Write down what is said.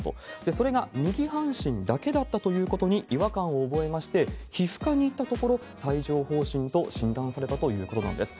それが右半身だけだったということに違和感を覚えまして、皮膚科に行ったところ、帯状ほう疹と診断されたということなんです。